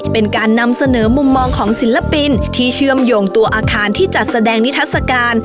เป็นการนำเสนอมุมมองของศิลปินที่เชื่อมโยงตัวอาคารที่จัดแสดงนิทัศกาล